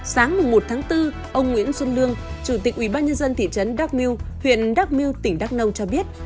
sáng một tháng bốn ông nguyễn xuân lương chủ tịch ubnd thị trấn đắk miu huyện đắk miu tỉnh đắk nâu cho biết